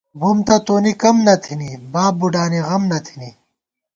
بُم تہ تونی کم نہ تھنی، باب بُوڈانی غم نہ تھنی